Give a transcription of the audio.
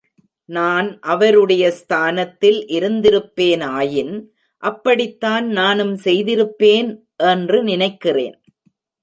நான் அவருடைய ஸ்தானத்தில் இருந்திருப்பேனாயின் அப்படித்தான் நானும் செய்திருப்பேன் என்று நினைக்கிறேன்.